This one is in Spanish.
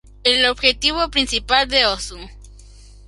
El objetivo principal de osu!